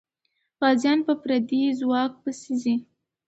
غازيان په پردي ځواک پسې ځي.